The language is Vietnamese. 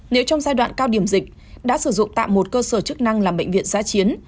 nếu trong giai đoạn cao điểm dịch đã sử dụng tạm một cơ sở chức năng làm bệnh viện giá chiến